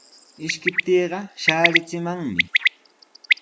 Ishkiptiiqa shaarichimanmi.